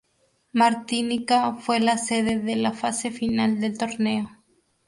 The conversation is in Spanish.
Martinica fue la sede de la fase final del torneo.